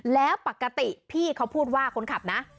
แล้วปกติพี่เขาพูดว่า